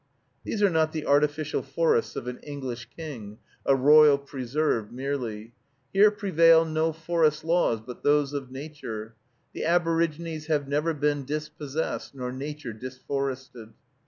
These are not the artificial forests of an English king, a royal preserve merely. Here prevail no forest laws but those of nature. The aborigines have never been dispossessed, nor nature disforested.